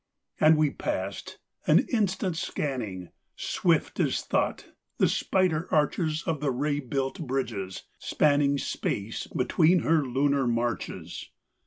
And we passed, an instant's scanning, Swift as thought, the spider arches Of the ray built bridges spanning Space between her lunar marches.